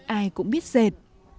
ai cũng biết dệt